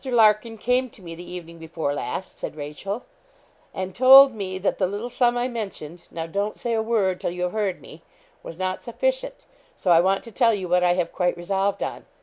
Larkin came to me the evening before last,' said Rachel, 'and told me that the little sum I mentioned now don't say a word till you have heard me was not sufficient; so I want to tell you what I have quite resolved on.